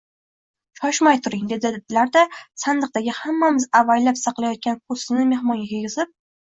“Shoshmay turing!” – dedilar-da sandiqdagi hammamiz avaylab saqlayotgan po’stinni mehmonga kiygizib: